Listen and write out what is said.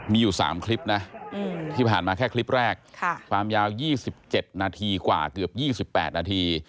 มีอยู่๓คลิปนะที่ผ่านมาแค่คลิปแรกความยาว๒๗นาทีกว่าเกือบ๒๘นาที